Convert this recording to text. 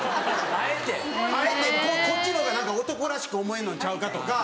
あえてこっちのほうが男らしく思えんのんちゃうかとか。